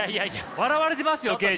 笑われてますよケージ。